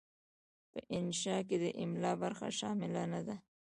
په انشأ کې د املاء برخه شامله نه ده.